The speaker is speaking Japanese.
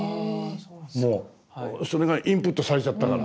もうそれがインプットされちゃったから。